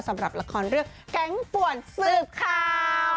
สำหรับละครเรื่องแก๊งป่วนสืบข่าว